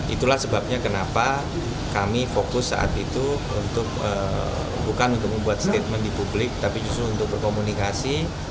itulah sebabnya kenapa kami fokus saat itu bukan untuk membuat statement di publik tapi justru untuk berkomunikasi